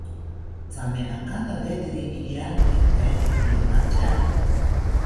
Thame akantawetiri irianerikipaeni riyotantyari